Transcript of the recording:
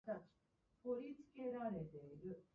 バカな息子をーーーーそれでも愛そう・・・